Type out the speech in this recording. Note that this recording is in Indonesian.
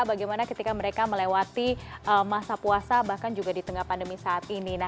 bagaimana ketika mereka melewati masa puasa bahkan juga di tengah pandemi saat ini